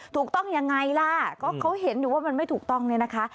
ถูกต้องยังไงล่ะก็เขาเห็นอยู่ว่ามันไม่ถูกต้องเนี่ยนะคะ